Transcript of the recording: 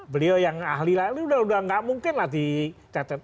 beliau yang ahli ahli udah nggak mungkin lah dicatat